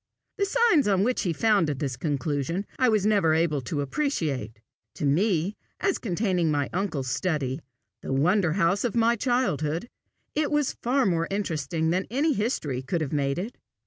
The signs on which he founded this conclusion, I was never able to appreciate: to me, as containing my uncle's study, the wonder house of my childhood, it was far more interesting than any history could have made it.